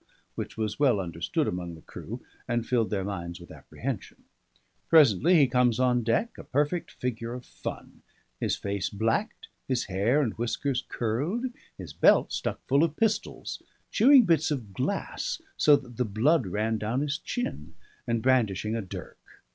which was well understood among the crew, and filled their minds with apprehension. Presently he comes on deck, a perfect figure of fun, his face blacked, his hair and whiskers curled, his belt stuck full of pistols; chewing bits of glass so that the blood ran down his chin, and brandishing a dirk.